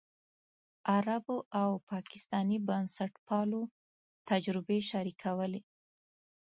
عربو او پاکستاني بنسټپالو تجربې شریکولې.